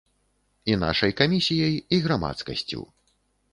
І нашай камісіяй, і грамадскасцю.